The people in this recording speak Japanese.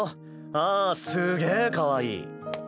ああすげぇかわいい。